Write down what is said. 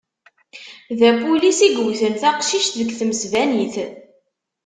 D apulis i yewten taqcict deg temesbanit.